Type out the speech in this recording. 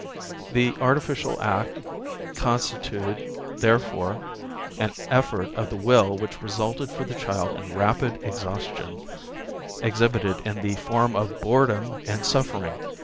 The artificial act constituted, therefore, an effort of the will which resulted for the child in rapid exhaustion exhibited in the form of boredom and suffering.